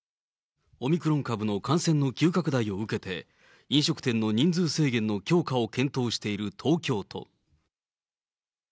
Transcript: オミクロン株の感染の急拡大を受けて、飲食店の人数制限の強化を検討している東京都。